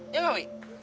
iya gak wih